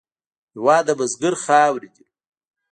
هېواد د بزګر خاورې دي.